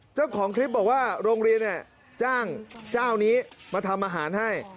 เจ้าของคลิปบอกว่าโรงเรียนจ้างเจ้านี้มาทำอาหารให้